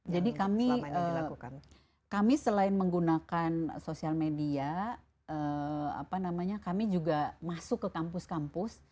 jadi kami kami selain menggunakan sosial media apa namanya kami juga masuk ke kampus kampus